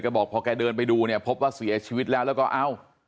บอกพอแกเดินไปดูเนี่ยพบว่าเสียชีวิตแล้วแล้วก็เอ้า